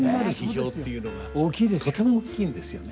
とても大きいんですよね。